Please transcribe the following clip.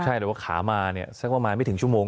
ใช่หรือว่าขามาสักประมาณไม่ถึงชั่วโมง